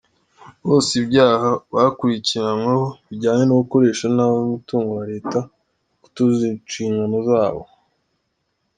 Bose ibyaha bakurikiranyweho bijyanye no gukoresha nabi umutungo wa Leta no kutuzuza inshingano zabo.